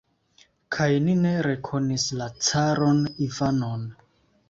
Kaj ni ne rekonis la caron Ivanon!